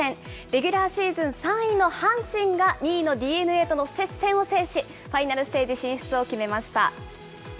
レギュラーシーズン３位の阪神が２位のＤｅＮＡとの接戦を制し、ファイナルステージ進出を決めました。